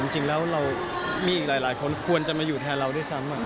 จริงแล้วเรามีอีกหลายคนควรจะมาอยู่แทนเราด้วยซ้ำ